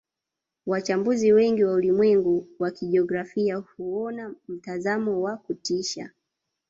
Wachambuzi wengi wa ulimwengu wa kijiografia huona mtazamo wa kutisha